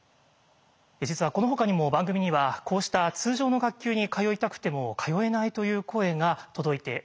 実はこのほかにも番組にはこうした通常の学級に通いたくても通えないという声が届いています。